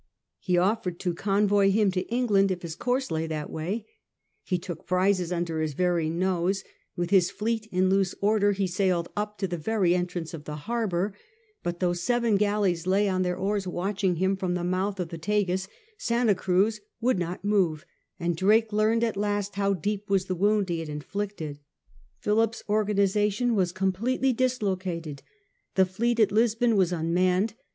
He offered to convoy him to England if his course lay that way ; he took prizes under his very nose ; with his fleet in loose order he sailed up to the very entrance of the harbour ; but though seven galleys lay on their oars watching him from the mouth of the Tagus, Santa Cruz would not move, and Drake learned at last how deep was the wound he had in flicted. Philip's organisation was completely dislocated. The fleet at Lisbon was unmanned.